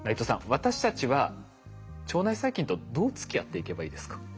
私たちは腸内細菌とどうつきあっていけばいいですか？